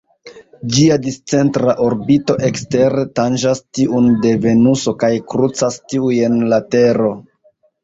Ĝia discentra orbito ekstere tanĝas tiun de Venuso kaj krucas tiujn la Tero.